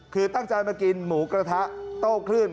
คือตั้งใจมากินหมูกระทะโต้คลื่น